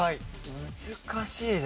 難しいですね。